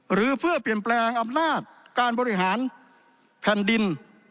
หรือเพื่อเปลี่ยนแปลงอำนาจการบริหารแผ่นดิน